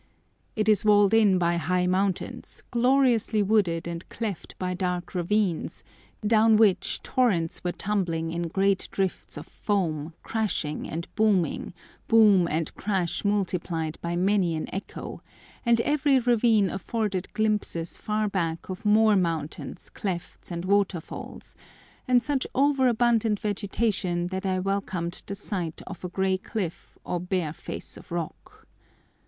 It is walled in by high mountains, gloriously wooded and cleft by dark ravines, down which torrents were tumbling in great drifts of foam, crashing and booming, boom and crash multiplied by many an echo, and every ravine afforded glimpses far back of more mountains, clefts, and waterfalls, and such over abundant vegetation that I welcomed the sight of a gray cliff or bare face of rock.